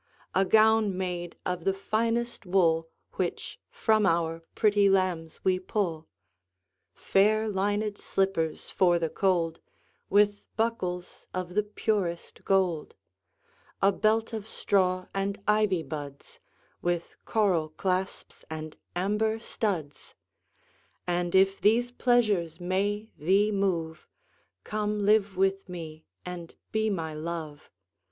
A gown made of the finest wool Which from our pretty lambs we pull; Fair linèd slippers for the cold, 15 With buckles of the purest gold. A belt of straw and ivy buds With coral clasps and amber studs: And if these pleasures may thee move, Come live with me and be my Love.